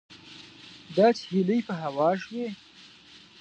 دا چې هیلې په هوا شوې